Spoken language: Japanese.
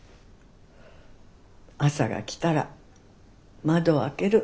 朝が来たら窓を開ける。